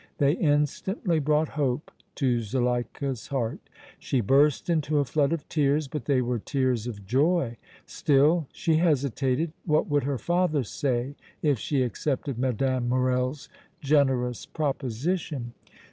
They instantly brought hope to Zuleika's heart. She burst into a flood of tears, but they were tears of joy. Still, she hesitated. What would her father say if she accepted Mme. Morrel's generous proposition?